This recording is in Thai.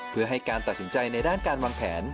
เพื่อให้การตัดสินใจในด้านการวางแผน